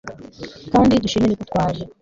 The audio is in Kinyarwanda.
kandi dushimire ko twaje